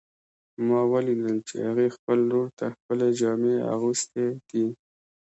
ما ولیدل چې هغې خپل لور ته ښکلې جامې اغوستې دي